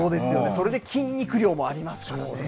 それで筋肉量もありますからね。